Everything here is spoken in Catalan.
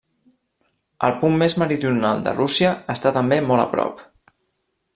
El punt més meridional de Rússia està també molt a prop.